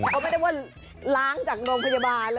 เขาไม่ได้ว่าล้างจากโรงพยาบาล